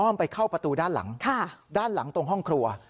ไปเข้าประตูด้านหลังด้านหลังตรงห้องครัว